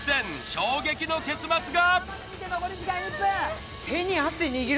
衝撃の結末が！